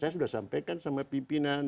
saya sudah sampaikan sama pimpinan